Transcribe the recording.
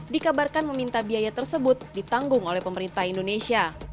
dikabarkan meminta biaya tersebut ditanggung oleh pemerintah indonesia